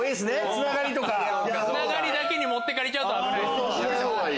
つながりだけに持ってかれると危ない。